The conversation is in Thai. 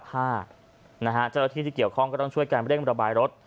เจ้าหน้าที่ที่เกี่ยวข้องก็ต้องช่วยการเร่งระบายรถ